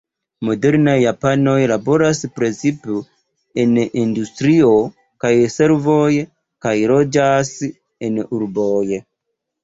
Modernaj japanoj laboras precipe en industrio kaj servoj, kaj loĝas en urboj.